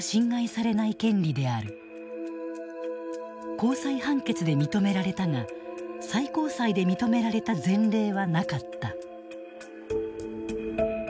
高裁判決で認められたが最高裁で認められた前例はなかった。